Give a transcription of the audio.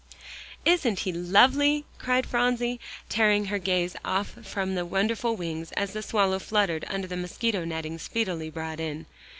"Isn't he lovely!" cried Phronsie, tearing her gaze off from the wonderful wings, as the swallow fluttered under the mosquito netting speedily brought in.